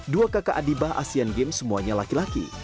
dua kakak adibah asian games semuanya laki laki